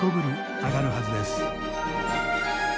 アガるはずです。